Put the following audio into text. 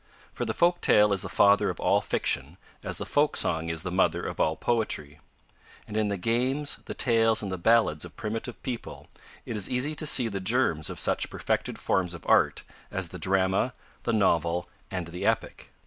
For the Folk tale is the father of all fiction as the Folk song is the mother of all poetry; and in the games, the tales and the ballads of primitive people it is easy to see the germs of such perfected forms of art as the drama, the novel and the epic.